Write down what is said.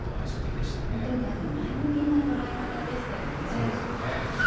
本当に前向きな捉え方でしたそうですよね。